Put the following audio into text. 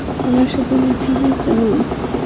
আমার সাথে বিছানায় চলুন।